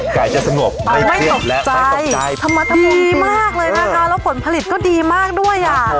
ไก่จะสงบไม่เคลือดและไม่ตกใจธรรมธรรมดีดีมากเลยนะคะแล้วผลผลิตก็ดีมากด้วยอ่ะ